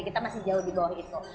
kita masih jauh di bawah itu